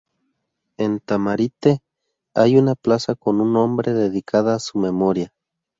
En Tamarite hay una plaza con su nombre dedicada a su memoria.